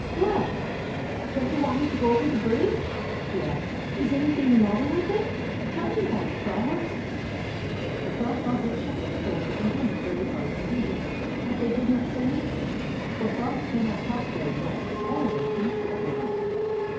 " What, don't you want me to go over the bridge ?" she asked. " Is anything the matter with it ? Tell me about it, frogs." The frogs all hitched up their shoulders and blinked very hard indeed. But they did not say anything, for frogs cannot talk very much, only a few short words.